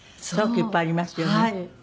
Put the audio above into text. すごくいっぱいありますよね。